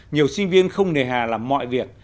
nhiều sinh viên không nề hà làm mọi việc